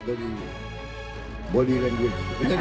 boli boli dengan gul